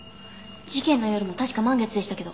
事件の夜も確か満月でしたけど。